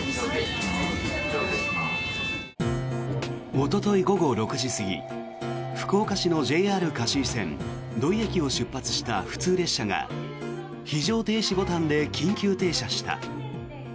おととい午後６時過ぎ福岡市のＪＲ香椎線土井駅を出発した普通列車が非常停止ボタンで緊急停車した。